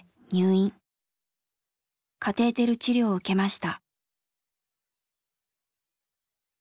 カテーテル治療を受けました。